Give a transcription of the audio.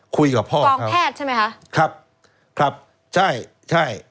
คุยกับพ่อกองแพทย์ใช่ไหมคะครับครับใช่ใช่